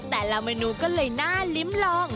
แต่ละเมนูก็เลยน่าลิ้มลอง